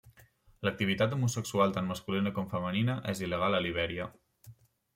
L'activitat homosexual tant masculina com femenina és il·legal a Libèria.